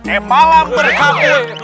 eh malam berkabut